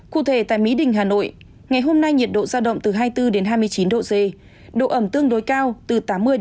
cụ thể tại mỹ đình hà nội ngày hôm nay nhiệt độ giao động từ hai mươi bốn hai mươi chín độ c độ ẩm tương đối cao từ tám mươi ba mươi